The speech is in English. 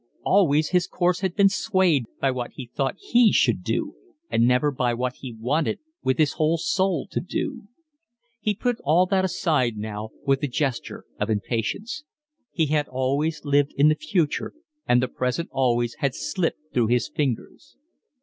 Always his course had been swayed by what he thought he should do and never by what he wanted with his whole soul to do. He put all that aside now with a gesture of impatience. He had lived always in the future, and the present always, always had slipped through his fingers.